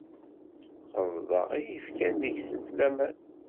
Ɣelḍeɣ i yefkan deg-sent laman.